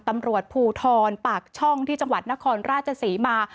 ตำรวจภูทรปากช่องที่จังหวัดนครราชศรีมา